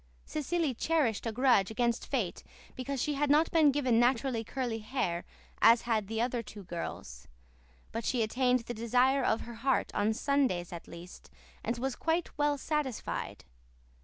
Cecily cherished a grudge against fate because she had not been given naturally curly hair as had the other two girls. But she attained the desire of her heart on Sundays at least, and was quite well satisfied.